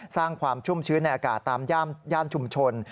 สร้างความชุ่มชื้นในอากาศตามย่านชุมชน